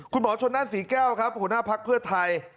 คุณหมอชนนั่นศรีแก้วครับหัวหน้าภักดิ์เพื่อไทย